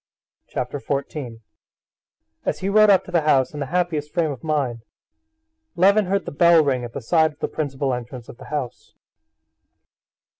Chapter 14 As he rode up to the house in the happiest frame of mind, Levin heard the bell ring at the side of the principal entrance of the house.